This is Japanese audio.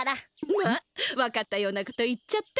まあわかったようなこと言っちゃって。